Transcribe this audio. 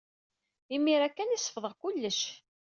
Imir-a kan ay sefḍeɣ kullec.